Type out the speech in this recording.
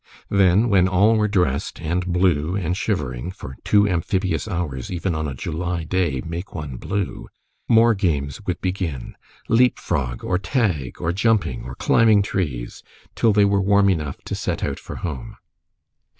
Then, when all were dressed, and blue and shivering for two amphibious hours, even on a July day, make one blue more games would begin, leap frog, or tag, or jumping, or climbing trees, till they were warm enough to set out for home.